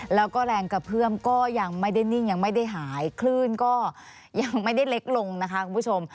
แล้วก็แรงกระเพื่อมก็ยังไม่ได้นิ่งยังไม่ได้หายคลื่นก็ยังไม่ได้เล็กลงนะคะคุณผู้ชม